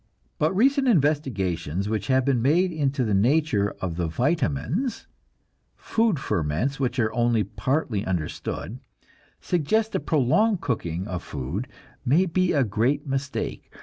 But recent investigations which have been made into the nature of the "vitamines," food ferments which are only partly understood, suggest that prolonged cooking of food may be a great mistake.